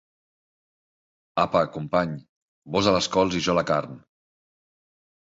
Apa, company!, vós a les cols i jo a la carn.